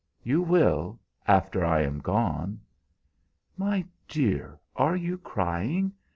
"You will after I am gone." "My dear, are you crying?